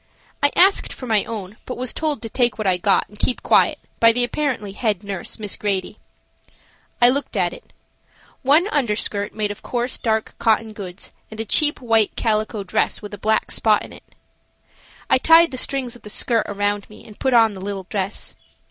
I asked for my own, but was told to take what I got and keep quiet by the apparently head nurse, Miss Grady. I looked at it. One underskirt made of coarse dark cotton goods and a cheap white calico dress with a black spot in it. I tied the strings of the skirt around me and put on the little dress.